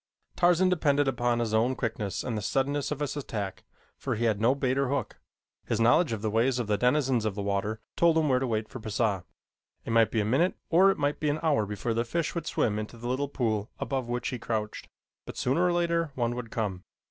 Tarzan depended upon his own quickness and the suddenness of his attack, for he had no bait or hook. His knowledge of the ways of the denizens of the water told him where to wait for Pisah. It might be a minute or it might be an hour before the fish would swim into the little pool above which he crouched, but sooner or later one would come.